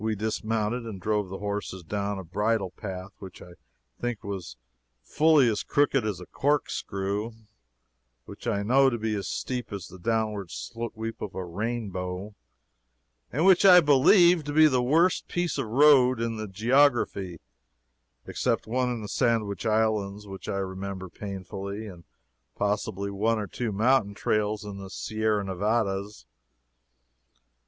We dismounted and drove the horses down a bridle path which I think was fully as crooked as a corkscrew, which I know to be as steep as the downward sweep of a rainbow, and which I believe to be the worst piece of road in the geography, except one in the Sandwich Islands, which I remember painfully, and possibly one or two mountain trails in the Sierra Nevadas.